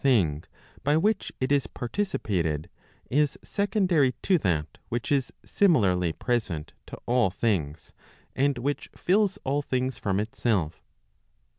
319 thing by which it is participated/ is secondary to that which is similarly present to all things, and which fills all things from itself.